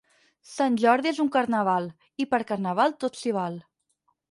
Sant Jordi és un carnaval, i per carnaval tot s'hi val.